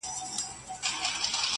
په هر کور کي د طوطي کیسه توده وه-